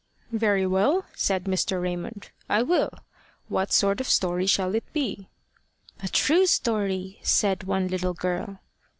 "Very well," said Mr. Raymond, "I will. What sort of a story shall it be?" "A true story," said one little girl.